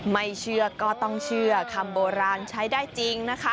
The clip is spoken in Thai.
ไม่เชื่อก็ต้องเชื่อคำโบราณใช้ได้จริงนะคะ